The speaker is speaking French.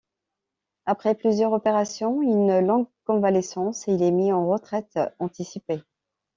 Après plusieurs opérations et une longue convalescence, il est mis en retraite anticipée.